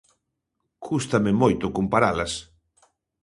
Cústame moito comparalas.